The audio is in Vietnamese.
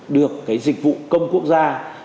được cái dịch vụ công quốc gia